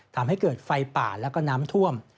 ทำให้เกิดไฟป่าแล้วก็น้ำท่วม